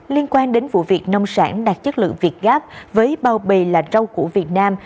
liên quan đến vụ việc nông sản đạt chất lượng việt gáp với bao bì là rau củ việt nam